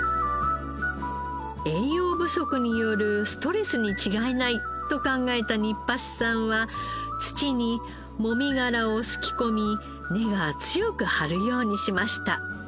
栄養不足によるストレスに違いないと考えた新橋さんは土にもみ殻をすき込み根が強く張るようにしました。